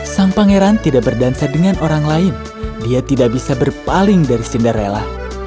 sang pangeran tidak berdansa dengan orang lain dia tidak bisa berpaling dari cinderella